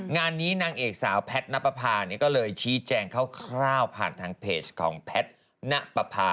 งานนี้นางเอกสาวแพทน์ณปภานี่ก็เลยชี้แจงเข้าผ่านทางเพจของแพทน์ณปภา